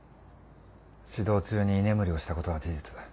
指導中に居眠りをした事は事実。